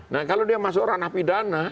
nah kalau dia masuk ranah pidana